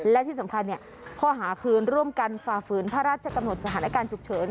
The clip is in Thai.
และที่สำคัญข้อหาคืนร่วมกันฝ่าฝืนพระราชกำหนดสถานการณ์ฉุกเฉิน